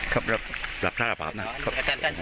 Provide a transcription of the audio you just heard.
ครับรับทราบภาพนะครับ